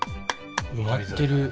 埋まってる。